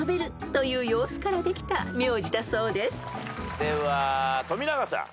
では富永さん。